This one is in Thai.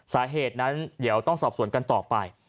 สาเหตุนั้นเดี๋ยวต้องสอบสวนกันต่อไป